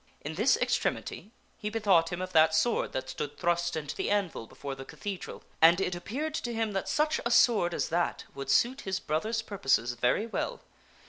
In this extremity he bethought him of that sword that stood thrust into the anvil before the cathedral, and it appeared to him that such a sword as that would suit his brother's purposes very well.